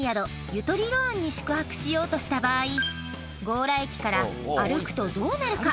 ゆとりろ庵に宿泊しようとした場合強羅駅から歩くとどうなるか？